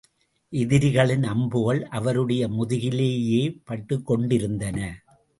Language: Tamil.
எதிரிகளின் அம்புகள் அவருடைய முதுகிலேயே பட்டுக் கொண்டிருந்தன.